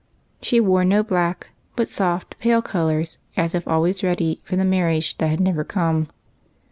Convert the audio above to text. She wore no black, but soft, pale colors, as if always ready for the marriage that had never come.